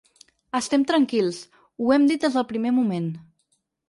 Estem tranquils, ho hem dit des del primer moment.